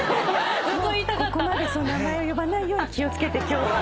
ここまで名前を呼ばないように気を付けて今日は。